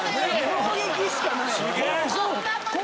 攻撃しかないねん！